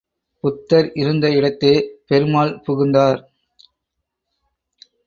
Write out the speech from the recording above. புத்தர் இருந்த இடத்தே பெருமாள் புகுந்தார்.